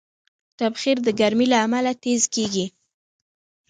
تبخیر د ګرمۍ له امله تېز کېږي.